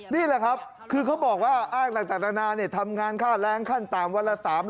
นี่แหละครับคือเขาบอกว่าอ้าหลังจากนานาเนี่ยทำงานข้าวแรงขั้นตามวันละ๓๐๐